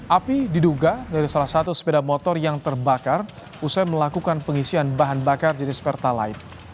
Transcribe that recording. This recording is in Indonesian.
api diduga dari salah satu sepeda motor yang terbakar usai melakukan pengisian bahan bakar jenis pertalite